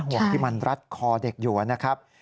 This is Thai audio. ห่วงที่มันรัดคอเด็กอยู่นะครับ